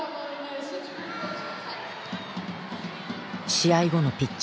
試合後のピッチ。